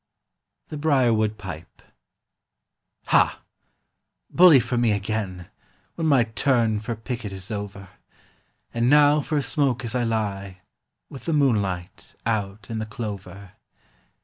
THE BRIER WOOD PIPE. Ha! bully for me again, when my turn for picket is over, And now for a smoke as I lie, with the >n light, out in the clover.